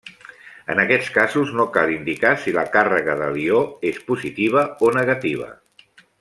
En aquests casos no cal indicar si la càrrega de l'ió és positiva o negativa.